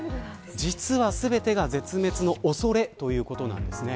実は全てが絶滅の恐れということなんですね。